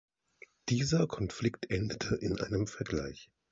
Dieser Konflikt endete in einem Vergleich.